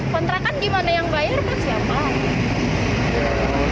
kontrakan gimana yang bayar buat siapa